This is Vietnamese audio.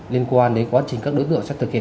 liên quan đến quá trình các đối tượng sẽ thực hiện